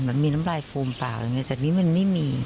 มันมีน้ำลายฟูมเปล่าอย่างนี้แต่นี่มันไม่มี